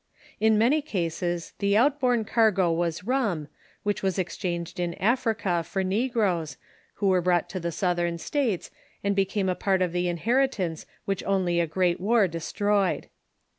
In many cases the out borne cargo was rum, which was exchanged in Africa for negroes, who were brought to the Southern States, and became a part of the inheritance which only a great war destroyed.